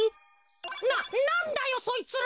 ななんだよそいつら。